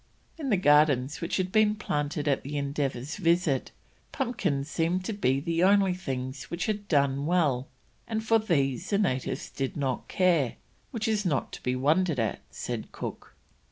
In the gardens which had been planted at the Endeavour's visit, pumpkins seemed to be the only things which had done well, and for these the natives did not care, "which is not to be wondered at," says Cook.